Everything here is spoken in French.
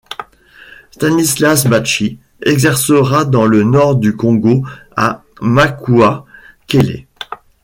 Stanislas Batchi exercera dans le nord du Congo à Makoua, Kéllé.